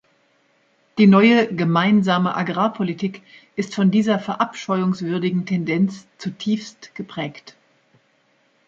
Die neue Gemeinsame Agrarpolitik ist von dieser verabscheuungswürdigen Tendenz zutiefst geprägt.